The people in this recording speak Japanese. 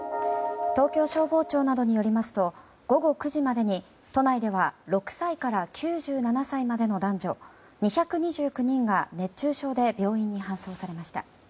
東京消防庁などによりますと午後９時までに都内では６歳から９７歳までの男女２２９人が熱中症で病院に搬送されました。